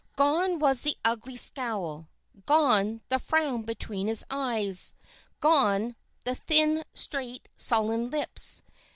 Gone was the ugly scowl; gone, the frown between his eyes; gone, the thin, straight, sullen lips.